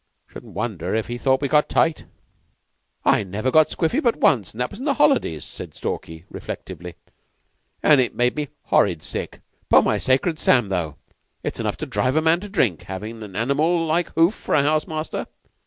'Shouldn't wonder if he thought we got tight." "I never got squiffy but once that was in the holidays," said Stalky, reflectively; "an' it made me horrid sick. 'Pon my sacred Sam, though, it's enough to drive a man to drink, havin' an animal like Hoof for house master."